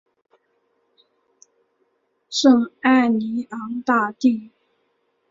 圣艾尼昂大地。